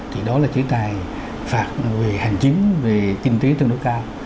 thì đó là chế tài phạt về hành chính về kinh tế tương đối cao